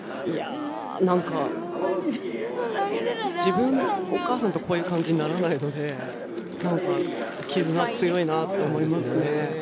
なんか、自分、お母さんとこういう感じにならないのでなんか絆、強いなって思いますね。